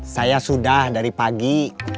saya sudah dari pagi